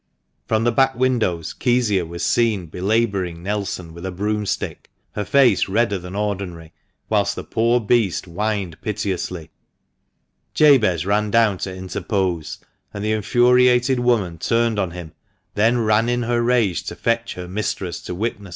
From the back windows Kezia was seen belabouring Nelson with a broomstick, her face redder than ordinary, whilst the poor beast whined piteously. Jabez ran down to interpose, and the infuriated woman turned on him, then ran in her rage to fetch her mistress to witness 140 THE MANCHESTER MAN.